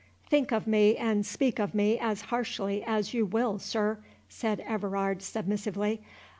"Think of me and speak of me as harshly as you will, sir," said Everard, submissively.